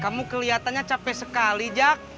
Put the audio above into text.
kamu keliatannya capek sekali jack